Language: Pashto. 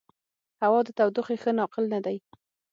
هوا د تودوخې ښه ناقل نه دی.